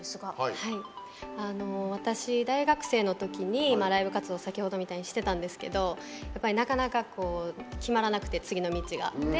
私、大学生のときにライブ活動を先ほど見たようにしてたんですけどなかなか決まらなくて、次の道が。